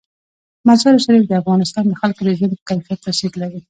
مزارشریف د افغانستان د خلکو د ژوند په کیفیت تاثیر لري.